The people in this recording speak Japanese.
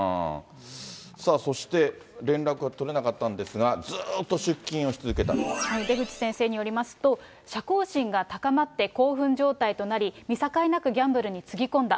そして、連絡が取れなかった出口先生によりますと、射幸心が高まって、興奮状態となり、見境なくギャンブルにつぎ込んだ。